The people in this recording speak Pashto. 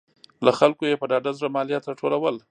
له خلکو یې په ډاډه زړه مالیات راټولول.